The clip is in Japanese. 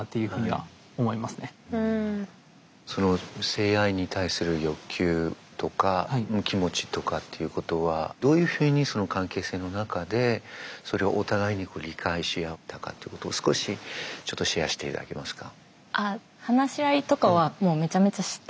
性愛に対する欲求とか気持ちとかっていうことはどういうふうにその関係性の中でそれをお互いに理解し合ったかってことを少しちょっとシェアしていただけますか？